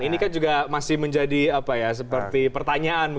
ini kan juga masih menjadi seperti pertanyaan